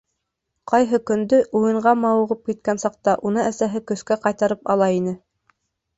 Ҡайһы көндө, уйынға мауығып киткән саҡта, уны әсәһе көскә ҡайтарып ала ине.